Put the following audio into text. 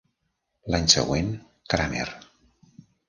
L'any següent, Cramer.